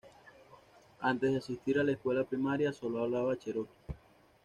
Antes de asistir a la escuela primaria, sólo hablaba cheroqui.